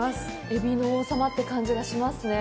エビの王様って感じがしますね。